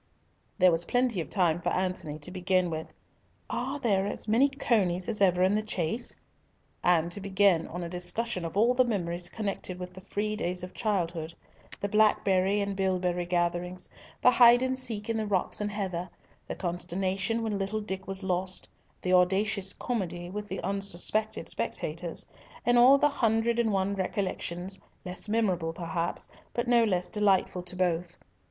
There was plenty of time for Antony to begin with, "Are there as many conies as ever in the chase?" and to begin on a discussion of all the memories connected with the free days of childhood, the blackberry and bilberry gatherings, the hide and seek in the rocks and heather, the consternation when little Dick was lost, the audacious comedy with the unsuspected spectators, and all the hundred and one recollections, less memorable perhaps, but no less delightful to both.